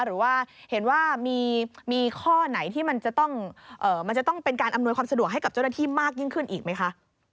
หรือว่าเห็นว่ามีข้อไหนที่มันจะต้องเป็นการอำนวยความสะดวกให้กับเจ้าหน้าที่มากยิ่งขึ้นอีกไหมคะ